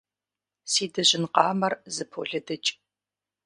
Си дыжьын къамэр зыполыдыкӏ.